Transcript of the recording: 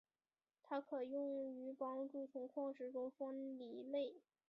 它可用于帮助从矿石中分离钼。